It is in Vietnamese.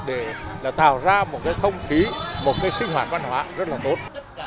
để là tạo ra một cái không khí một cái sinh hoạt văn hóa rất là tốt